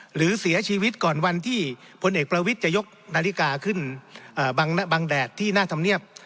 หรือเสียชีวิตก่อนวันที่พลเอกประวิทย์จะยกนาฬิกาขึ้นบางแดดที่หน้าธรรมเนียบ